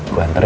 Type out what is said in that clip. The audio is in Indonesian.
gue hantar ya